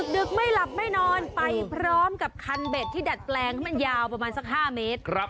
ดึกไม่หลับไม่นอนไปพร้อมกับคันเบ็ดที่ดัดแปลงให้มันยาวประมาณสัก๕เมตร